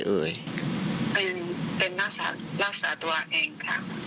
เป็นรักษาตัวเองค่ะ